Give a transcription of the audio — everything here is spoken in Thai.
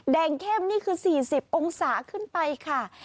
เข้มนี่คือ๔๐องศาขึ้นไปค่ะ